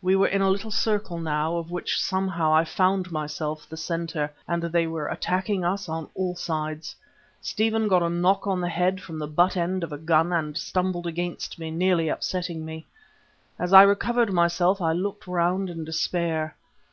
We were in a little circle now of which somehow I found myself the centre, and they were attacking us on all sides. Stephen got a knock on the head from the butt end of a gun, and tumbled against me, nearly upsetting me. As I recovered myself I looked round in despair.